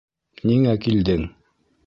Ниңә килдең?